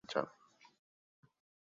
তিনি তার পিতার কাছে ফিরে যান।